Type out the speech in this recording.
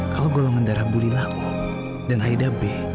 kalau golongan darah bulila o dan aida b